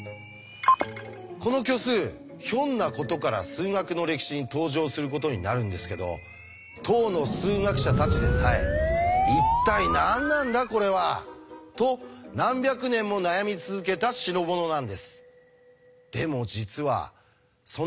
この虚数ひょんなことから数学の歴史に登場することになるんですけど当の数学者たちでさえ「一体何なんだこれは！」と何百年も悩み続けた代物なんです。